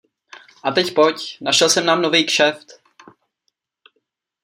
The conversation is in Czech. A teď pojď, našel jsem nám novej kšeft.